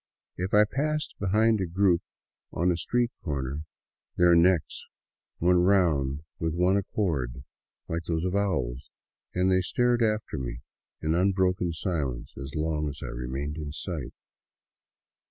If I passed behind a group on a street corner, their necks went round with one accord, like those of owls, and they stared after me in un broken silence as long as I remained in sight.